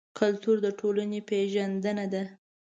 کلتور د ټولنې پېژندنه ده.